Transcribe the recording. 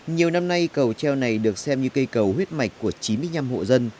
nhiều năm nay cầu treo này được xem như cây cầu huyết mạch của chín mươi năm hộ dân